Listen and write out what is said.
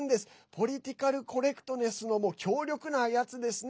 ポリティカルコレクトネスの強力なやつですね。